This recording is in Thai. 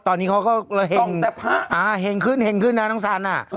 ตอนนี้เขาก็เห็นขึ้นนะน้องสัน